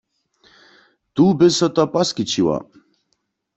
Tu by so to poskićiło.